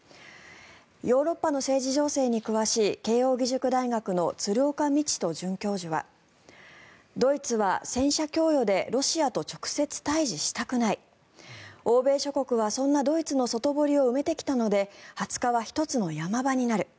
ヨーロッパの政治情勢に詳しい慶應義塾大学の鶴岡路人准教授はドイツは戦車供与でロシアと直接対峙したくない欧米諸国はそんなドイツの外堀を埋めてきたので２０日は１つの山場になる。